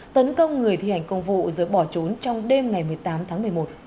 tấn công người thi hành công vụ rồi bỏ trốn trong đêm ngày một mươi tám tháng một mươi một